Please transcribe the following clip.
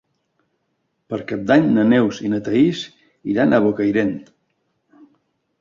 Per Cap d'Any na Neus i na Thaís iran a Bocairent.